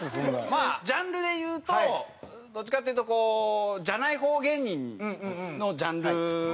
まあジャンルでいうとどっちかっていうとこうじゃない方芸人のジャンルだと思うんです。